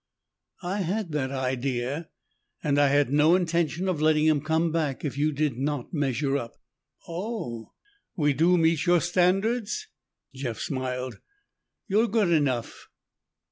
"I had that idea. And I had no intention of letting him come back if you did not measure up." "Oh! We do meet your standards?" Jeff smiled. "You're good enough."